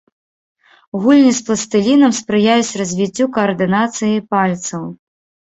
Гульні з пластылінам спрыяюць развіццю каардынацыі пальцаў.